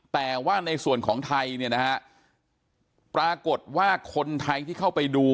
แต่ว่าในส่วนของไทยเนี่ยนะฮะปรากฏว่าคนไทยที่เข้าไปดู